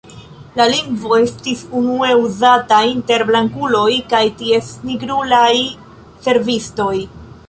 La lingvo estis unue uzata inter blankuloj kaj ties nigrulaj servistoj.